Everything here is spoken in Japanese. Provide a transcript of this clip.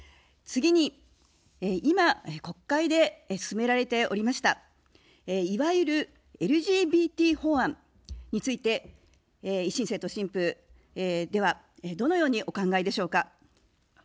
次に今国会で進められておりました、いわゆるＬＧＢＴ法案について、維新政党・新風では、どのようにお考えでしょうか。